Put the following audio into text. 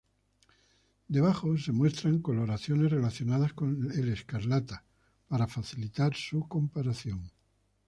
Debajo se muestran coloraciones relacionadas con el escarlata, para facilitar su comparación.